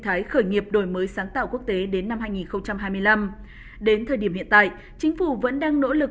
thái khởi nghiệp đổi mới sáng tạo quốc tế đến năm hai nghìn hai mươi năm đến thời điểm hiện tại chính phủ vẫn đang nỗ lực